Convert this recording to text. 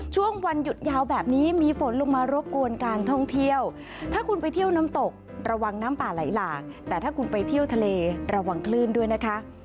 ช่วงวันหยุดยาวแบบนี้มีฝนลงมารบกวนการท่องเที่ยวถ้าคุณไปเที่ยวน้ำตกระวังน้ำป่าไหลหลากแต่ถ้าคุณไปเที่ยวทะเลระวังคลื่นด้วยนะคะ